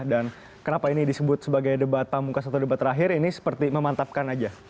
dan kenapa ini disebut sebagai debat panggungkas atau debat terakhir ini seperti memantapkan aja